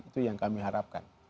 itu yang kami harapkan